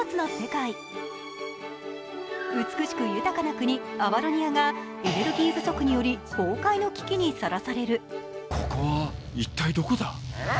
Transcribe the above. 美しく豊かな国、アヴァロニアがエネルギー不足により崩壊の危機にさらされる。